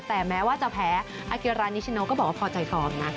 แต่แม้ว่าจะแพ้อาเกรานิชโนก็บอกว่าพอใจฟอร์มนะ